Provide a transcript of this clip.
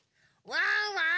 ・ワンワーン！